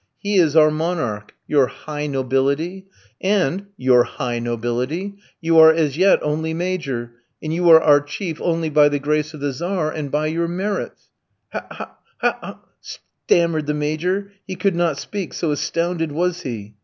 He is our monarch, your "high nobility." And, your "high nobility," you are as yet only Major, and you are our chief only by the grace of the Tzar, and by your merits.' "'How? how? how?' stammered the Major. He could not speak, so astounded was he.